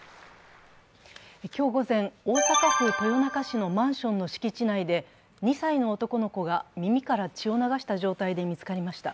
今日午前、大阪府豊中市のマンションの敷地内で２歳の男の子が耳から血を流した状態で見つかりました。